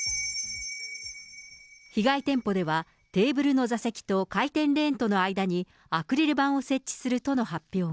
被害店舗では、テーブルの座席と回転レーンとの間に、アクリル板を設置するとの発表が。